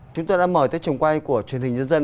chúng ta đã mời tới trường quay của truyền hình dân dân